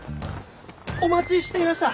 お待ちしていました。